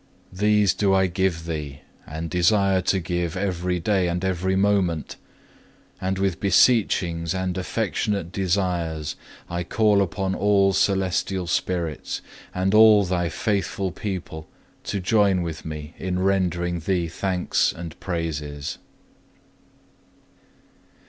These do I give Thee, and desire to give every day and every moment; and with beseechings and affectionate desires I call upon all celestial spirits and all Thy faithful people to join with me in rendering Thee thanks and praises.